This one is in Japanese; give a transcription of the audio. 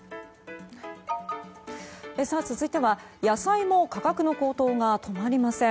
続いては野菜も価格の高騰が止まりません。